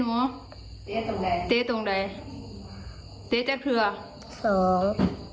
ตัวไหนเต๊ะใจเผลอสอง